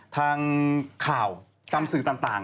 ทางข่าวตามสื่อต่าง